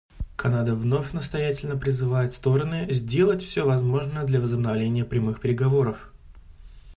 Канада вновь настоятельно призывает стороны сделать все возможное для возобновления прямых переговоров.